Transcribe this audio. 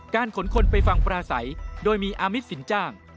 ขนคนไปฟังปราศัยโดยมีอามิตสินจ้าง